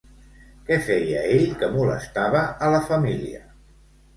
Què feia ell que molestava a la família?